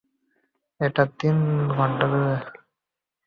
এটা তিন ঘন্টা দূরে।